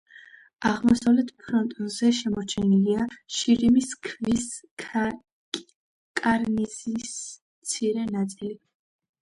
აღმოსავლეთ ფრონტონზე შემორჩენილია შირიმის ქვის კარნიზის მცირე ნაწილი.